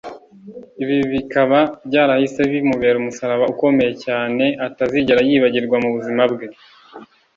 ibi bikaba byarahise bimubera umusaraba ukomeye cyane atazigera yibagirwa mu buzima bwe